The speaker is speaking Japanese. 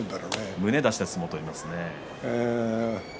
胸を出して相撲を取ります。